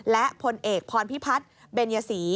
และพลเอกพรพิพัฒน์เบญยศรี